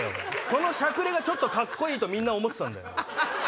そのしゃくれがカッコいいとみんな思ってたんだよ。